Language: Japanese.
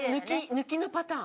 抜きのパターン。